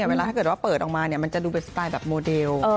เวลาถ้าเกิดว่าเปิดออกมามันจะดูเป็นสไตล์แบบโมเดล